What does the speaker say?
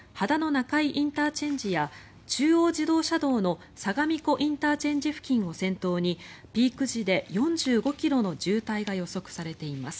中井ＩＣや中央自動車道の相模湖ＩＣ付近を先頭にピーク時で４５ｋｍの渋滞が予測されています。